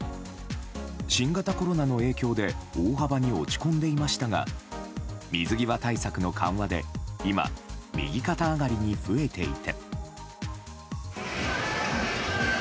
新型コロナの影響で大幅に落ち込んでいましたが水際対策の緩和で今、右肩上がりに増えていて。